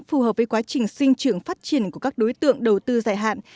phù hợp với quá trình sinh trưởng phát triển của các đối tượng đầu tư dài hạn